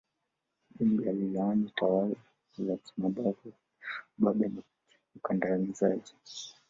Jumbe alilaani tawala za kimabavu ubabe na ukandamizaji